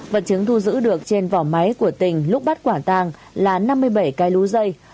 vật chứng thu giữ được trên vỏ máy của tình lúc bắt quả tàng là năm mươi bảy cây lú dây